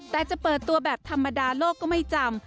แต่จะเปิดตัวแบบธรรมดาโลกก็ไม่จำ